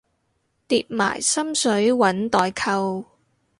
疊埋心水搵代購